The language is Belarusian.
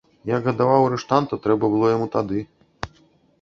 Як гадаваў арыштанта, трэба быў яму тады.